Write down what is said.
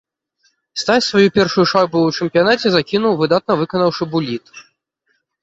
Стась сваю першую шайбу ў чэмпіянаце закінуў, выдатна выканаўшы буліт.